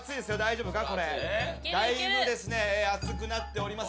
だいぶですね熱くなっております。